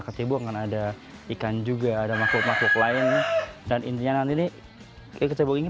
kecebong kan ada ikan juga ada makhluk makhluk lain dan intinya nanti nih kayak kecebong ini